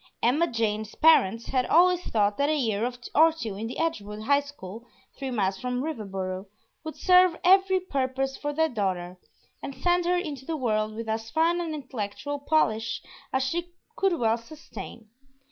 Emma Jane's parents had always thought that a year or two in the Edgewood high school (three miles from Riverboro) would serve every purpose for their daughter and send her into the world with as fine an intellectual polish as she could well sustain.